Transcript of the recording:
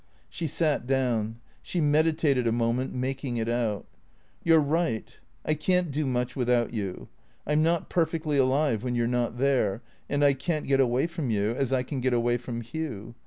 She sat down. She meditated a moment, making it out. " You 're right. I can't do much without you. I 'm not per fectly alive when you 're not there. And I can't get away from you — as I can get away from Hugh.